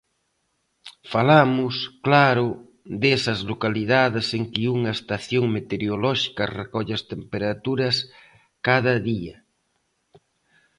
Falamos, claro, desas localidades en que unha estación meteorolóxica recolle as temperaturas cada día.